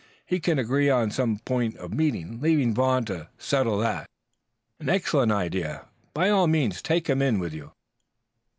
We can agree on some point of meeting, leaving Vaughn to settle that. An excellent idea. By all means take him in with you."